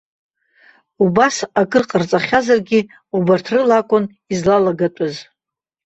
Убас акыр ҟарҵахьазаргьы, убарҭ рыла акәын излалагатәыз.